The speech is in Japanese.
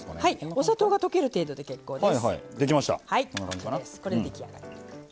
お砂糖が溶ける程度で結構です。